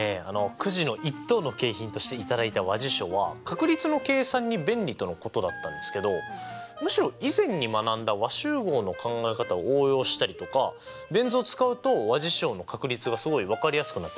くじの一等の景品として頂いた和事象は確率の計算に便利とのことだったんですけどむしろ以前に学んだ和集合の考え方を応用したりとかベン図を使うと和事象の確率がすごい分かりやすくなってましたね。